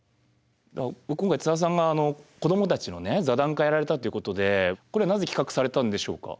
今回津田さんが子どもたちの座談会やられたということでこれはなぜ企画されたんでしょうか？